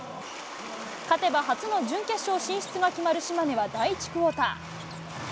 勝てば初の準決勝進出が決まる島根は第１クオーター。